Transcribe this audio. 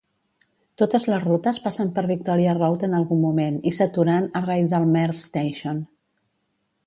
Totes les rutes passen per Victoria Road en algun moment i s'aturen a Rydalmere Station.